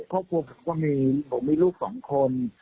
ครอบครัวผมก็มีผมมีลูกสองคน